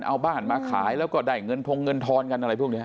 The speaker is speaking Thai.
เอาบ้านมาขายแล้วก็ได้เงินทงเงินทอนกันอะไรพวกนี้